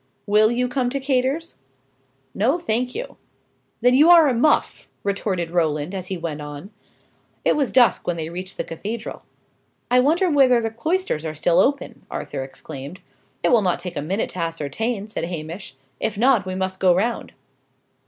"Will you come to Cator's?" "No, thank you." "Then you are a muff!" retorted Roland, as he went on. It was dusk when they reached the cathedral. "I wonder whether the cloisters are still open!" Arthur exclaimed. "It will not take a minute to ascertain," said Hamish. "If not, we must go round."